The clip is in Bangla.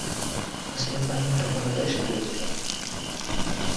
মুসলিম বাহিনী তখনও বেশ দূরে ছিল।